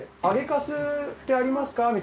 揚げかすってありますか？